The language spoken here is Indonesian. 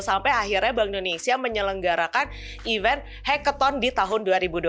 sampai akhirnya bank indonesia menyelenggarakan event hacket tone di tahun dua ribu dua puluh